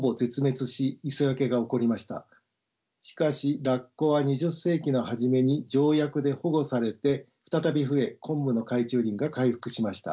しかしラッコは２０世紀の初めに条約で保護されて再び増えコンブの海中林が回復しました。